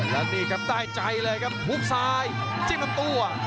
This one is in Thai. มันอันนี้ก็ได้ใจเลยครับพุ่กซ้ายจิ้มล้ำตัว